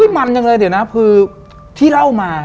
มันจังเลยเดี๋ยวนะคือที่เล่ามา